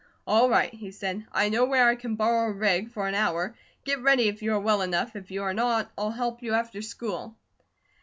"All right," he said. "I know where I can borrow a rig for an hour. Get ready if you are well enough, if you are not, I'll help you after school."